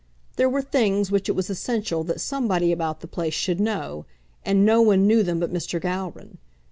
There were things which it was essential that somebody about the place should know, and no one knew them but Mr. Gowran.